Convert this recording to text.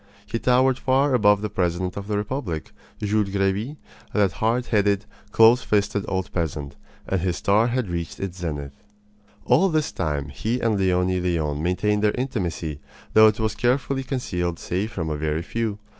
He towered far above the president of the republic Jules Grevy, that hard headed, close fisted old peasant and his star had reached its zenith. All this time he and Leonie Leon maintained their intimacy, though it was carefully concealed save from a very few.